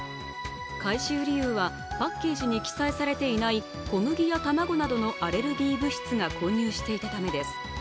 回収理由は、パッケージに記載されていない小麦や玉子などのアレルギー物質が混入していたためです。